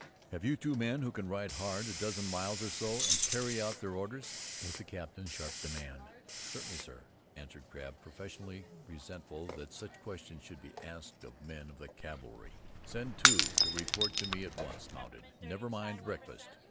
"Have you two men who can ride hard a dozen miles or so and carry out their orders?" was the captain's sharp demand. "Certainly, sir," answered Crabb, professionally resentful that such question should be asked of men of the th Cavalry. "Send two to report to me at once, mounted. Never mind breakfast."